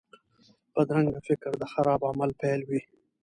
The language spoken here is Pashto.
بدرنګه فکر د خراب عمل پیل وي